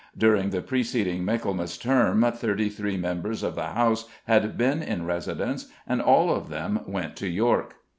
During the preceding Michaelmas term thirty three members of the House had been in residence, and all of them went to York.